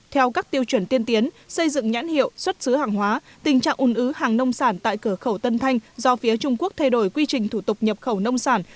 theo các tiêu chuẩn tiên tiến xây dựng nhãn hiệu xuất xứ hàng hóa tình trạng ùn ứ hàng nông sản tại cửa khẩu tân thanh do phía trung quốc thay đổi quy trình thủ tục nhập khẩu nông sản